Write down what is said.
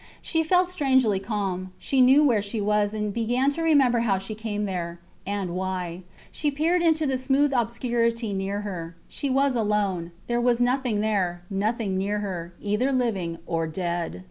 She felt strangely calm. She knew where she was, and began to remember how she came there and why. She peered into the smooth obscurity near her. She was alone. There was nothing there; nothing near her, either living or dead.